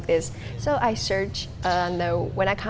ketika saya datang ke sini